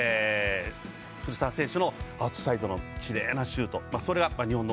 古澤選手のアウトサイドのきれいなシュート。